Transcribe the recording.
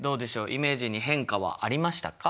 イメージに変化はありましたか？